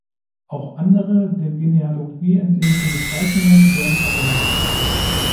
Auch andere der Genealogie entlehnten Bezeichnungen werden verwendet.